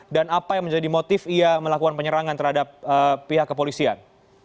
dan apa yang menjadi motif ia melakukan penyerangan terhadap pihak kepolisian